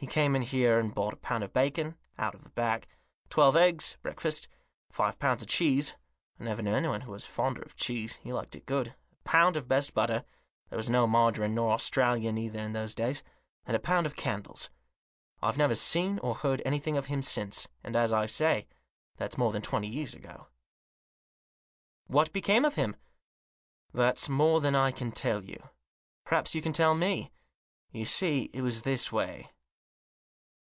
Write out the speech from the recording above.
He came in here and bought a pound of bacon — out of the back ; twelve eggs — breakfast ; five pounds of cheese — I never knew anyone who was fonder of cheese, he liked it good ; a pound of best butter — there was no margarine nor Australian either in those days ; and a pound of candles. I've never seen or heard anything of him since ; and, as I say, that's more than twenty years ago." " But what became of him ?"" That's more than I can tell you. Perhaps you can tell me. You see, it was this way."